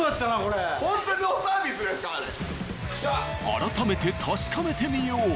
改めて確かめてみよう。